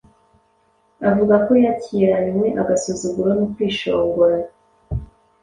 Avuga ko yakiranwe agasuzuguro no kwishongora,